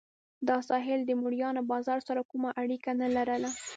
دا ساحل د مریانو بازار سره کومه اړیکه نه لرله.